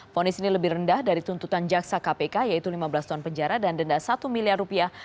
fonis ini lebih rendah dari tuntutan jaksa kpk yaitu lima belas tahun penjara dan denda satu miliar rupiah